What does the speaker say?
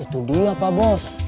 itu dia pak bos